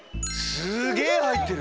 すげえはいってる。